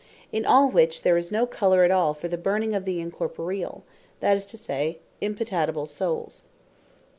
In all which there is no colour at all for the burning of Incorporeall, that is to say, Impatible Souls.